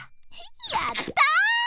やったぁ！